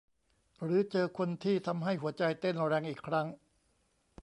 หรือเจอคนที่ทำให้หัวใจเต้นแรงอีกครั้ง